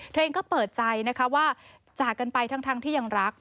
เธอเองก็เปิดใจนะคะว่าจากกันไปทั้งที่ยังรัก